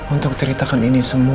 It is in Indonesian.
untuk ceritakan ini ke kamu